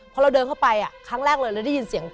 พอเราเดินเข้าไปครั้งแรกเลยเราได้ยินเสียง